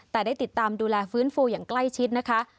แต่ได้ติดตามดูแลฟื้นฟูอย่างใกล้ชิดนะคะ